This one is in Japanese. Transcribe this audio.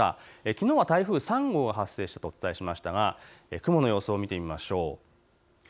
きのうは台風３号が発生したとお伝えしましたが雲の予想を見てみましょう。